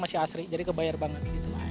masih asri jadi kebayar banget